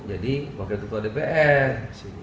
jadi wakil ketua dpr